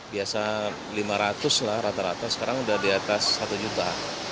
biasa lima ratus lah rata rata sekarang udah di atas satu juta